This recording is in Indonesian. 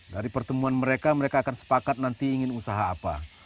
dari pertemuan mereka mereka akan sepakat nanti ingin usaha apa